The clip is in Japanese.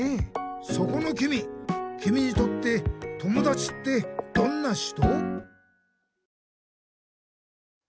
そこのきみきみにとって友だちってどんな人？